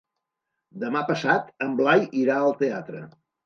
Demà passat en Blai irà al teatre.